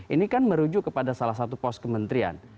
ini kan merujuk kepada salah satu pos kementerian